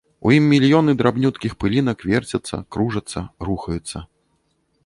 У ім мільёны драбнюткіх пылінак верцяцца, кружацца, рухаюцца.